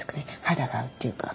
肌が合うっていうか。